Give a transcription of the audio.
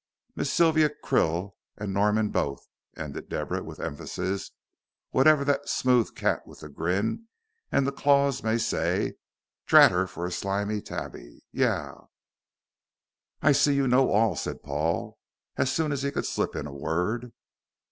Miss Sylvia Krill an' Norman both," ended Deborah with emphasis, "whatever that smooth cat with the grin and the clawses may say, drat her fur a slimy tabby yah!" "I see you know all," said Paul, as soon as he could slip in a word.